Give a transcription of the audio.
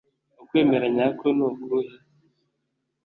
ukwemera nyako ni ukuhe?